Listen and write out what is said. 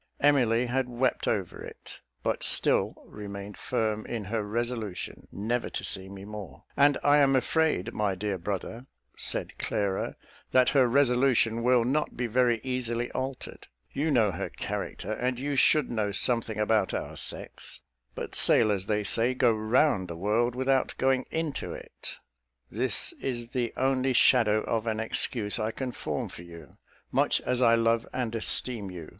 Emily had wept over it, but still remained firm in her resolution never to see me more "And I am afraid, my dear brother," said Clara, "that her resolution will not be very easily altered. You know her character, and you should know something about our sex; but sailors, they say, go round the world without going into it. This is the only shadow of an excuse I can form for you, much as I love and esteem you.